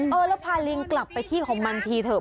เออแล้วพาลิงกลับไปที่ของมันทีเถอะ